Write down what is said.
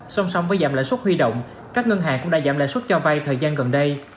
song song với giảm lãi suất huy động các ngân hàng cũng đã giảm lãi suất cho vay thời gian gần đây